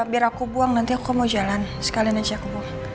biar aku buang nanti aku mau jalan sekali nasi aku buang